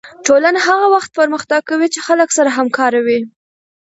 ټولنه هغه وخت پرمختګ کوي چې خلک سره همکاره وي